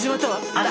あら！